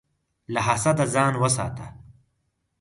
له حسده ځان وساته.